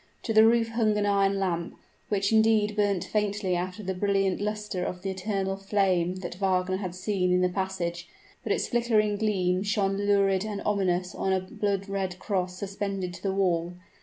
To the roof hung an iron lamp, which indeed burnt faintly after the brilliant luster of the eternal flame that Wagner had seen in the passage; but its flickering gleam shone lurid and ominous on a blood red cross suspended to the wall.